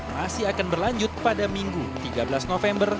masih akan berlanjut pada minggu tiga belas november